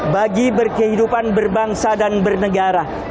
bagi berkehidupan berbangsa dan bernegara